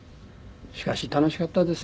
しかし楽しかったですね。